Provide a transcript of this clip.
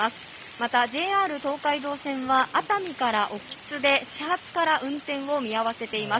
また、ＪＲ東海道線は熱海から興津で、始発から運転を見合わせています。